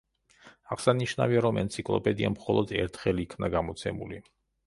აღსანიშნავია, რომ ენციკლოპედია მხოლოდ ერთხელ იქნა გამოცემული.